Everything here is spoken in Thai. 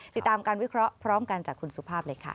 ติดตามการวิเคราะห์พร้อมกันจากคุณสุภาพเลยค่ะ